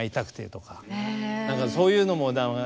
だからそういうのもね。